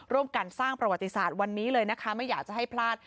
ร่วมกันสร้างประวัติศาสตร์วันนี้เลยนะคะไม่อยากจะให้พลาด